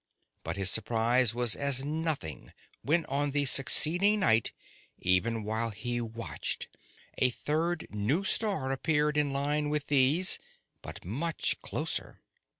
But his surprise was as nothing when on the succeeding night, even while he watched, a third new star appeared in line with these, but much closer.